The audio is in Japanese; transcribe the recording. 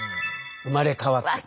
「生まれ変わっても」。